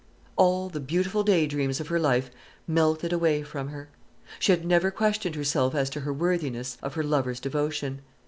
All the beautiful day dreams of her life melted away from her. She had never questioned herself as to her worthiness of her lover's devotion.